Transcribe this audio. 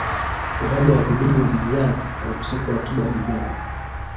uhaba wa kudumu wa bidhaa na ukosefu wa akiba ya bidhaa